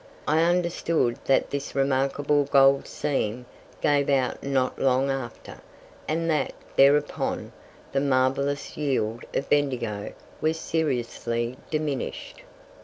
I understood that this remarkable gold seam gave out not long after, and that, thereupon, the marvellous yield of Bendigo was seriously diminished.